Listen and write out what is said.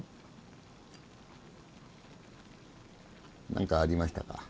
何かありましたか？